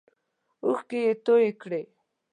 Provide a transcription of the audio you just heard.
اوښکې یې تویی کړې.